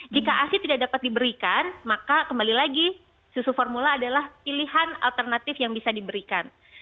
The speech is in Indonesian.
jika ac tidak dapat diberikan maka kembali lagi susu formula adalah pilihan alternatif yang bisa diberikan